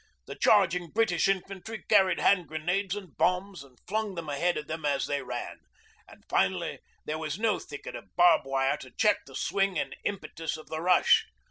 The charging British infantry carried hand grenades and bombs and flung them ahead of them as they ran, and, finally, there was no thicket of barb wire to check the swing and impetus of the rush.